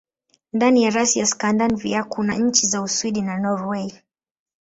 Ndani ya rasi ya Skandinavia kuna nchi za Uswidi na Norwei.